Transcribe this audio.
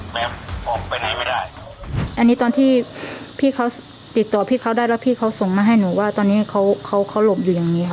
แบบออกไปไหนไม่ได้อันนี้ตอนที่พี่เขาติดต่อพี่เขาได้แล้วพี่เขาส่งมาให้หนูว่าตอนนี้เขาเขาหลบอยู่อย่างงี้ค่ะ